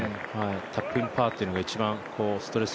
タップインパーというのが一番ストレス